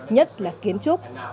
nhất là kiến trúc